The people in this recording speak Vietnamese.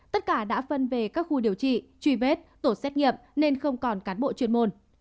tất cả đã phân về các khu điều trị truy vết tổ xét nghiệm nên không còn cán bộ chuyên môn